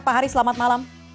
pak hari selamat malam